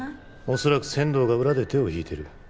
恐らく千堂が裏で手を引いてる。